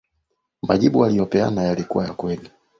Majibu waliyopeana yalikuwa ya kweli